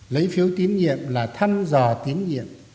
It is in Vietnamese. lấy phiếu tín nhiệm là thăm dò tín nhiệm